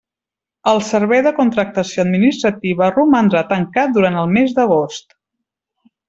El Servei de Contractació Administrativa romandrà tancant durant el mes d'agost.